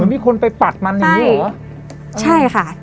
เหมือนมีคนไปปัดมันอย่างงี้เหรอใช่ใช่ค่ะ